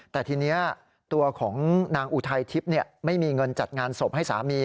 แต่ทีนี้ตัวของนางอุทัยทิพย์ไม่มีเงินจัดงานศพให้สามี